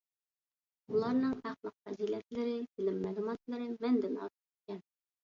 ئۇلارنىڭ ئەخلاق - پەزىلەتلىرى، بىلىم - مەلۇماتلىرى مەندىن ئارتۇق ئىكەن.